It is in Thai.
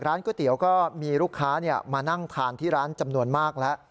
ก๋วยเตี๋ยวก็มีลูกค้ามานั่งทานที่ร้านจำนวนมากแล้ว